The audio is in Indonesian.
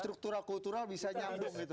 struktural kultural bisa nyambung gitu